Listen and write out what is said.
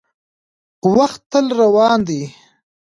• وخت تل روان دی.